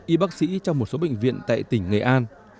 y bác sĩ trong một số bệnh viện tại tỉnh nghệ an